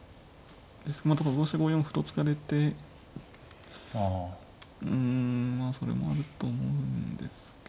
まあ同飛車５四歩と突かれてうんまあそれもあると思うんですけど。